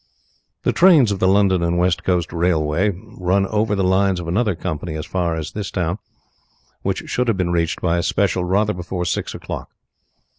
The trains of the London and West Coast Railway run over the lines of another company as far as this town, which should have been reached by the special rather before six o'clock.